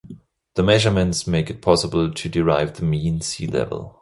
The measurements make it possible to derive the mean sea level.